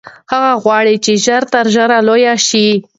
هغه غواړي چې ژر تر ژره لوی شي.